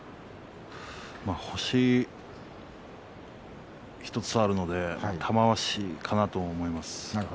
星１つあるので玉鷲かなと思います。